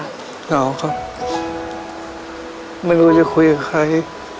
เหงาครับไม่รู้จะคุยกับใคร